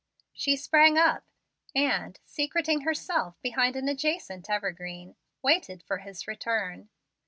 She sprang up, and, secreting herself behind an adjacent evergreen, waited for his return.